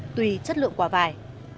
tùy chất lượng quả vải